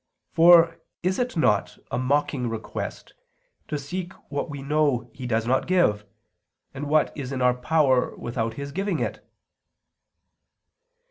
For is it not a mocking request to seek what we know He does not give, and what is in our power without His giving it?"